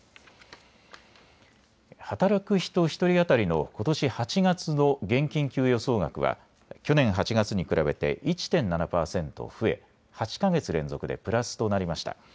働く人１人当たりのことし８月の現金給与総額は去年８月に比べて１．７％増え８か月連続でプラスとなりました。